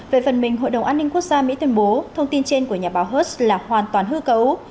về phần mình hội đồng an ninh quốc gia mỹ tuyên bố thông tin trên của nhà báo hez là hoàn toàn hư cấu